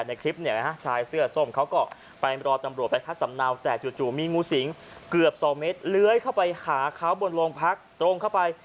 ในคลิปเนี่ยนะฮะชายเสื้อส้มเขาก็ไปรอตำรวจไปพักสำเนาแต่จู่มีงูสิงเกือบ๒เมตรเลื้อยเข้าไปหาเขาบนโรงพักตรงเข้าไป